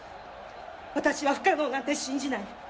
私は不可能なんて信じない。